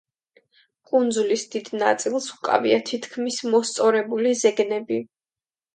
კუნძულის დიდ ნაწილს უკავია თითქმის მოსწორებული ზეგნები.